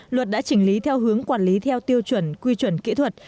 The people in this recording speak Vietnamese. luật đã chỉnh lý theo hướng quản lý theo tiêu chuẩn quy chuẩn kỹ thuật